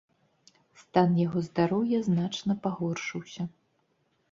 Стан яго здароўя значна пагоршыўся.